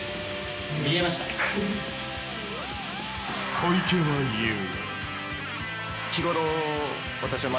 ［小池は言う］